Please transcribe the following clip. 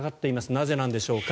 なぜなんでしょうか。